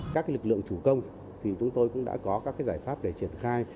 các lực lượng chủ công thì chúng tôi cũng đã có các giải pháp để triển khai